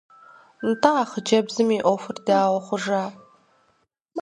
НтӀэ, а хъыджэбзым и Ӏуэхур дауэ хъужа?